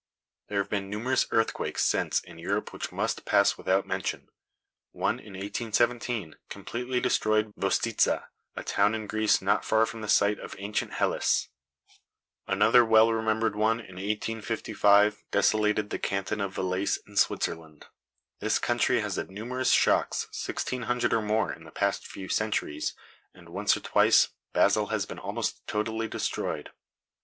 There have been numerous earthquakes since in Europe which must pass without mention. One in 1817 completely destroyed Vostitza, a town in Greece not far from the site of ancient Helice. Another well remembered one in 1855 desolated the Canton of Valais in Switzerland. This country has had numerous shocks sixteen hundred or more, in the past few centuries, and once or twice Basle has been almost totally destroyed.